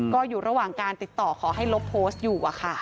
ก็อยู่ระหว่างการติดต่อขอให้ลบโพสต์อยู่